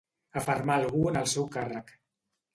Afermar algú en el seu càrrec.